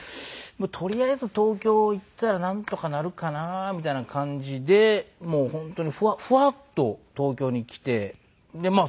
とりあえず東京行ったらなんとかなるかなみたいな感じでもう本当にフワフワッと東京に来てま